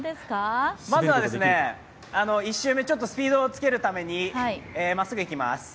まずは１周目、スピードをつけるために、まっすぐいきます。